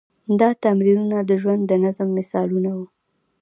دا تمرینونه د ژوند د نظم مثالونه وو.